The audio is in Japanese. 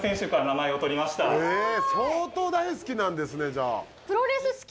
え相当大好きなんですねじゃあ。